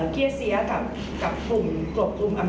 การสอบส่วนแล้วนะ